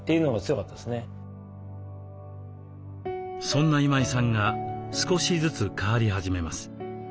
そんな今井さんが少しずつ変わり始めます。